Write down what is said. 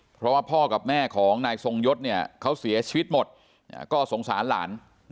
เพราะว่าพ่อกับแม่ของนายทรงยศเนี่ยเขาเสียชีวิตหมดก็สงสารหลาน